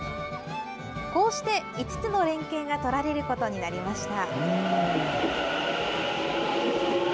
こうして５つの連携がとられることになりました。